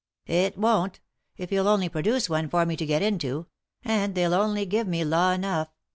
"It won't— if you'll only produce one for me to get into ; and they'll only give me law enough.